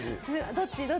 どっち？